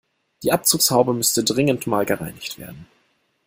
Die Abzugshaube müsste dringend mal gereinigt werden.